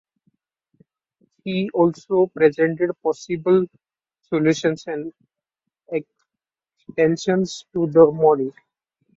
He also presented possible solutions and extensions to the model.